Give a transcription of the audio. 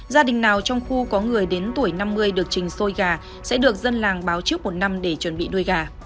gia đình nào trong khu có người đến tuổi năm mươi được trình xôi gà sẽ được dân làng báo trước một năm để chuẩn bị nuôi gà